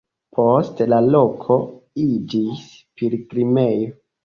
Poste la loko iĝis pilgrimejo.